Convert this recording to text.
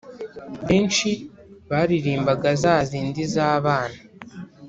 benshi baririmbaga za zindi z’abana